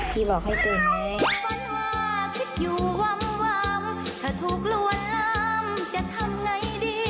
พี่บอกให้เต็มเลย